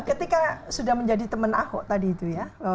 ketika sudah menjadi teman ahok tadi itu ya